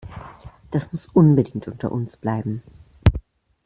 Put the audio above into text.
Das muss unbedingt unter uns bleiben.